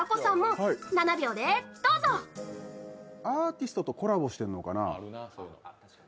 アーティストとコラボしてるのかな。